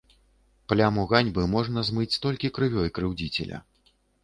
Пляму ганьбы можна змыць толькі крывёй крыўдзіцеля.